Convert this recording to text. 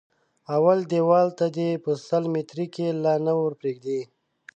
اول دېوال ته دې په سل ميتري کې لا نه ور پرېږدي.